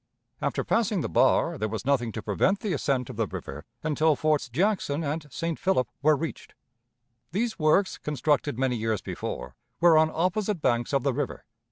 After passing the bar, there was nothing to prevent the ascent of the river until Forts Jackson and St. Philip were reached. These works, constructed many years before, were on opposite banks of the river.